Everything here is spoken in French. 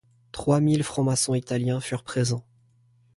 Trois mille francs-maçons italiens furent présents.